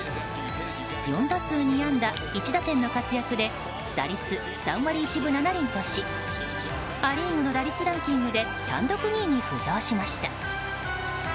４打数２安打１打点の活躍で打率３割１分７厘としア・リーグの打率ランキングで単独２位に浮上しました。